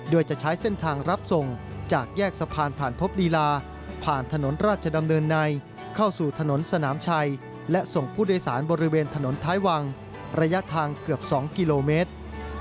โดยจะใช้เส้นทางรับส่งจากแยกสะพานผ่านพบลีลาผ่านถนนราชดำเนินในเข้าสู่ถนนสนามชัยและส่งผู้โดยสารบริเวณถนนท้ายวังระยะทางเกือบ๒กิโลเมตร